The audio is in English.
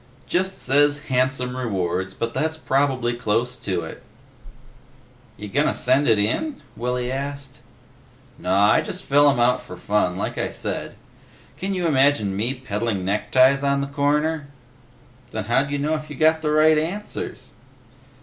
"Just says 'handsome rewards,' but that's probably close to it." "You gonna send it in?" Willy asked. "Naw, I just fill 'em out for fun, like I said. Can you imagine me peddling neckties on the corner?" "Then how d'ya know if you got the right answers?"